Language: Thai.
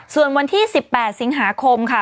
ส่วนวันที่๑๘สิงหาคมค่ะ